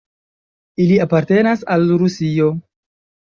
Ili apartenas al Rusio.